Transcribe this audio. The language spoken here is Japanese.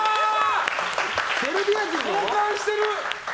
交換してる！